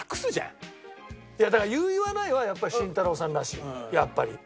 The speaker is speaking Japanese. いやだから言う言わないはやっぱり慎太郎さんらしいやっぱり。